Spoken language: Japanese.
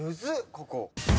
ここ。